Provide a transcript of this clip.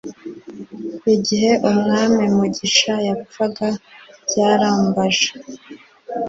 Igihe Umwami Mugisha yapfaga byarambaje,